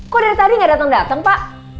kok dari tadi nggak datang datang pak